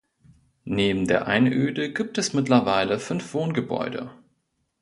Neben der Einöde gibt es mittlerweile fünf Wohngebäude.